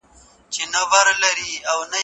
پخوا جاري وضعيت له تېر سره نه و تړل سوی.